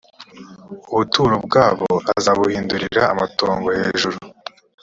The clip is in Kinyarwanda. ubuturo bwabo azabuhindurira amatongo hejuru